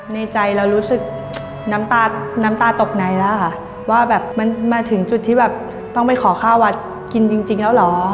ในใจเรารู้สึกน้ำตาน้ำตาตกในแล้วค่ะว่าแบบมันมาถึงจุดที่แบบต้องไปขอข้าววัดกินจริงแล้วเหรอ